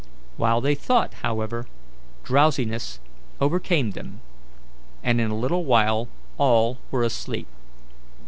While they thought, however, drowsiness overcame them, and in a little while all were asleep.